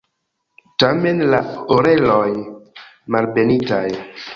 Tamen la oreloj malbenitaj.